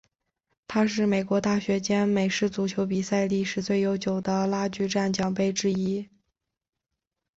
它是美国大学间美式足球比赛历史最悠久的拉锯战奖杯之一。